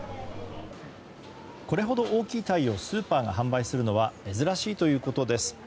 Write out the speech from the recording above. これほど大きいタイをスーパーが販売するのは珍しいということです。